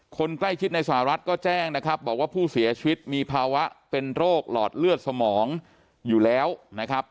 คนใกล้ชิดในสหรัฐก็แจ้งนะครับบอกว่าผู้เสียชีวิตมีภาวะเป็นโรคหลอดเลือดสมองอยู่แล้วนะครับ